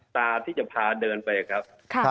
ตาที่จะพาเดินไปครับ